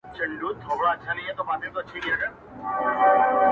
هر موږك سي دېوالونه سوري كولاى،